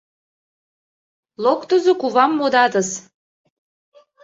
— Локтызо кувам модатыс.